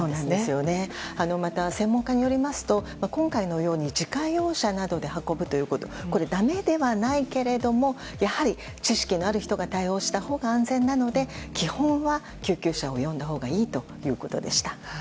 また、専門家によりますと今回のように自家用車などで運ぶということはこれは、だめではないけれどやはり、知識のある人が対応したほうが安全なので基本は、救急車を呼んだほうがいいということでした。